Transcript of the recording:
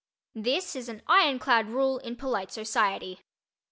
This is an iron clad rule in polite society.